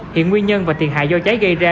hiện nguyên nhân và thiệt hại do cháy gây ra